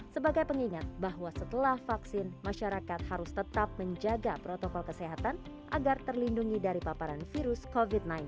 sebagai pengingat bahwa setelah vaksin masyarakat harus tetap menjaga protokol kesehatan agar terlindungi dari paparan virus covid sembilan belas